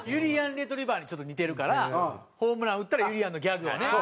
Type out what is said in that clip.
レトリィバァにちょっと似てるからホームラン打ったらゆりやんのギャグをね。